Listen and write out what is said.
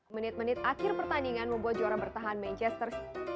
menit menit akhir pertandingan membuat juara bertahan manchester